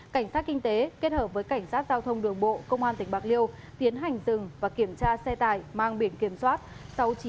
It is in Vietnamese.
cảnh sát kinh tế kết hợp với cảnh sát giao thông đường bộ công an tỉnh bạc liêu tiến hành rừng và kiểm tra xe tải mang biển kiểm soát sáu mươi chín c bốn nghìn bảy trăm năm mươi bảy